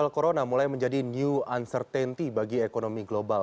menurut saya ini adalah kesempatan yang sangat penting bagi ekonomi global